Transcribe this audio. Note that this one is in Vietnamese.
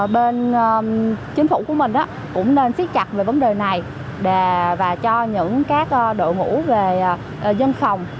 bên chính phủ của mình cũng nên siết chặt về vấn đề này và cho những các đội ngũ về dân phòng